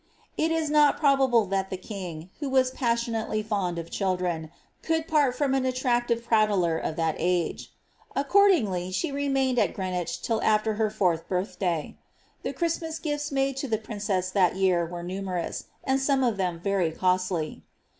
It if not probable that the king, who was passionately fond of children, could part from an attractive prattler of that age. Accordingly she re mained at Greenwich till after her fourth birth day. The Christmas gifts made to the princess this year were numerous, and some of them very costly.